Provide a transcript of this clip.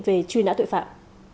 về truy nã tội phạm